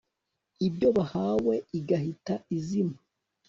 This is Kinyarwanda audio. ibyo bahawe igahita izima